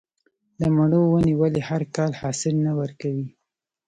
د مڼو ونې ولې هر کال حاصل نه ورکوي؟